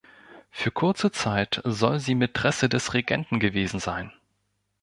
Für kurze Zeit soll sie Mätresse des Regenten gewesen sein.